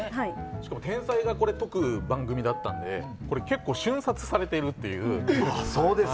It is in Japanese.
しかも天才が解く番組だったので結構、瞬殺されているという。